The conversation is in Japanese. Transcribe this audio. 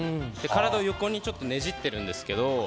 で、体を横にちょっとねじっているんですけど。